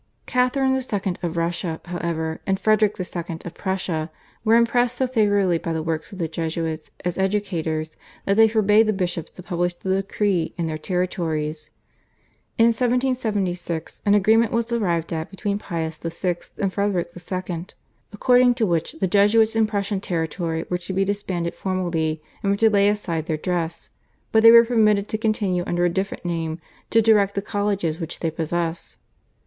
Catharine II. of Russia, however, and Frederick II. of Prussia were impressed so favourably by the work of the Jesuits as educators that they forbade the bishops to publish the decree in their territories. In 1776 an agreement was arrived at between Pius VI. and Frederick II., according to which the Jesuits in Prussian territory were to be disbanded formally and were to lay aside their dress, but they were permitted to continue under a different name to direct the colleges which they possessed.